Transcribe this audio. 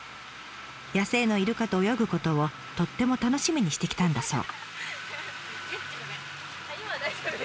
野生のイルカと泳ぐことをとっても楽しみにしてきたんだそう。